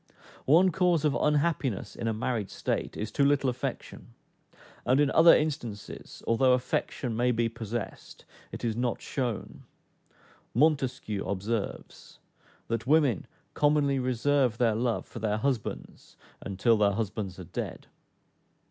One cause of unhappiness in a married state, is too little affection; and in other instances, although affection may be possessed, it is not shown. Montesquieu observes, "that women commonly reserve their love for their husbands until their husbands are dead."